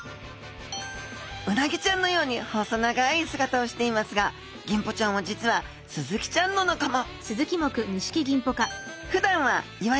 うなぎちゃんのように細長い姿をしていますがギンポちゃんは実はスズキちゃんの仲間。